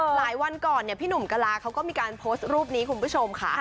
วันก่อนพี่หนุ่มกะลาเขาก็มีการโพสต์รูปนี้คุณผู้ชมค่ะ